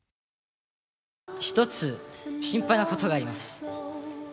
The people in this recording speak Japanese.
１つ、心配なことがあります。